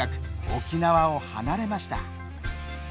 沖縄を離れました。